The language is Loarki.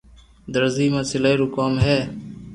درزي ما سلائي رو ڪوم ھي